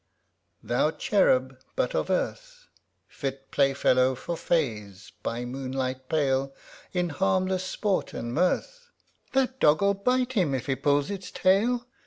Thou cherub ŌĆö but of earth ; Fit playfellow for Fays, by moonlight pale. In harmless sport and mirth, (That dog will bite him if he pulls its tail